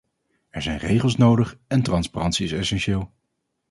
Er zijn regels nodig en transparantie is essentieel.